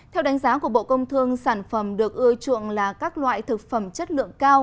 theo đánh giá của bộ công thương sản phẩm được ưa chuộng là các loại thực phẩm chất lượng cao